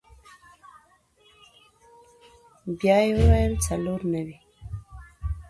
بيا يې وويل څلور نوي.